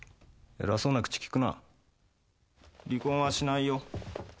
偉そうな口きくな離婚はしないよ